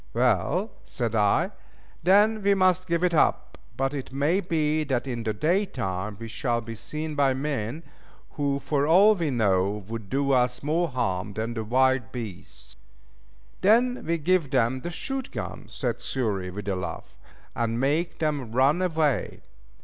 "Well," said I, "then we must give it up, but it may be that in the day time we shall be seen by men, who for all we know would do us more harm than wild beasts." "Then we give them the shoot gun," said Xury with a laugh, "and make them run away."